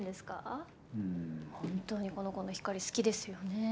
本当にこの子の光好きですよね。